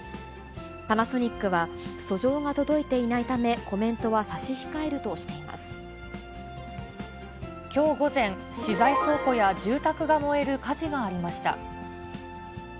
パナソニックは、訴状が届いていないため、コメントは差し控えるきょう午前、資材倉庫や住宅が燃える火事がありました。